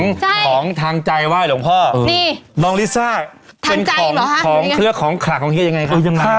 ใช่ของทางใจว่าเหลวงพ่อนี่น้องลิซ่าทางใจเหรอฮะเป็นของของเครื่องของขลักของเฮียยังไงครับ